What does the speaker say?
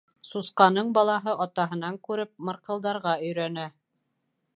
Сусҡаның балаһы атаһынан күреп, мырҡылдарға өйрәнә.